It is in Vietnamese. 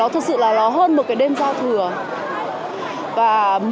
thực sự là nó hơn một cái đêm giao thừa